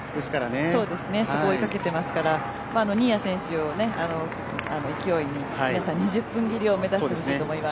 そこを追いかけてますから新谷選手の勢いに皆さん、２０分切りを目指してほしいと思います。